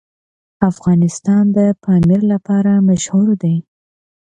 افغانستان د پامیر لپاره مشهور دی.